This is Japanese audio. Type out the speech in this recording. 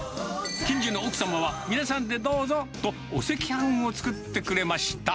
近所の奥様は、皆さんでどうぞと、お赤飯を作ってくれました。